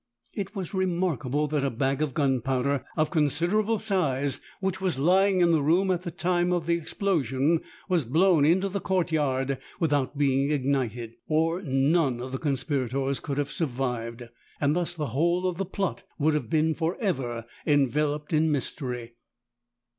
It was remarkable that a bag of gunpowder, of considerable size, which was lying in the room at the time of the explosion, was blown into the court yard without being ignited, or none of the conspirators could have survived, and thus the whole of the plot would have been for ever enveloped in mystery.